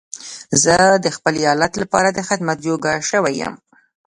زه د خپل ايالت لپاره د خدمت جوګه شوی يم.